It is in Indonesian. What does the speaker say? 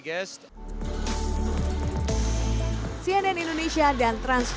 jadi di mana pun anda melihat